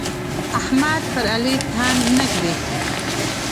احمد پر علي تن نه ږدي.